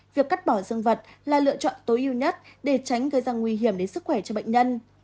việc cắt bỏ dân vật là lựa chọn tối ưu nhất để tránh gây ra nguy hiểm đến sức khỏe cho bệnh nhân